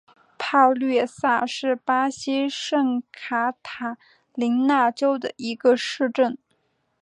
帕略萨是巴西圣卡塔琳娜州的一个市镇。